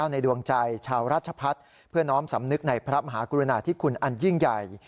ในดวงใจชาวราชพัฒน์เพื่อน้อมสำนึกในพระมหากรุณาธิคุณอันยิ่งใหญ่